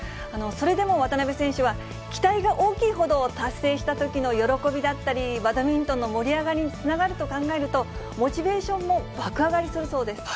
それでも渡辺選手は、期待が大きいほど、達成したときの喜びだったり、バドミントンの盛り上がりにつながると考えると、モチベーションも爆上がりするそうです。